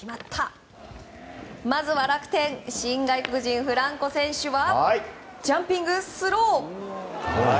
まずは楽天新外国人、フランコ選手はジャンピングスロー！